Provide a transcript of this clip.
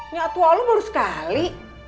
nyatual lu baru sekali